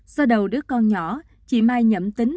sau đầu đứa con nhỏ chị mai nhậm tính